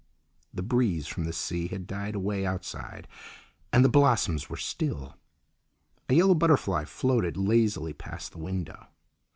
The breeze from the sea had died away outside, and the blossoms were still. A yellow butterfly floated lazily past the window.